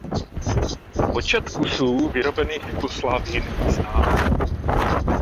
Počet kusů vyrobených v Jugoslávii není znám.